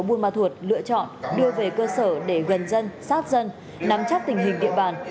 công an tỉnh buôn ma thuột lựa chọn đưa về cơ sở để gần dân sát dân nắm chắc tình hình địa bàn